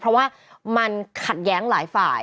เพราะว่ามันขัดแย้งหลายฝ่าย